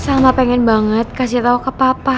salma pengen banget kasih tau ke papa